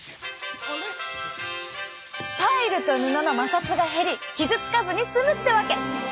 パイルと布の摩擦が減り傷つかずに済むってわけ！